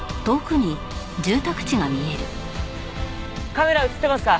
カメラ映ってますか？